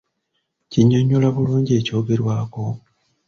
Kinnyonnyola bulungi eky'ogerwako?